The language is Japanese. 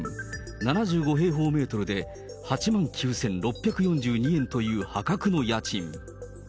７５平方メートルで８万９６４２円という破格の家賃。